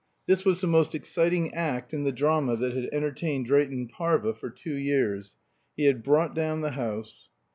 This was the most exciting act in the drama that had entertained Drayton Parva for two years. He had brought down the house.